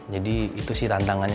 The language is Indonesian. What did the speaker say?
jadi itu sih tantangannya